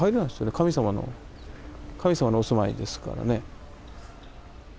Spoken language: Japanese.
神様の神様のお住まいですからね。